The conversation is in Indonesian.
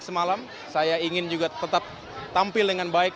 semalam saya ingin juga tetap tampil dengan baik